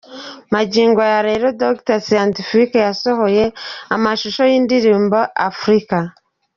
Magingo aya rero Dr Scientific yasohoye amashusho y'indirimbo 'Afrika'.